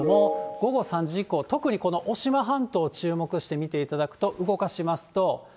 午後３時以降、特にこの渡島半島を注目してみていただくと、動かしますと。